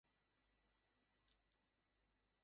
তাহলে সে জানতে পারবে আমি তাকে এভয়েড করছি।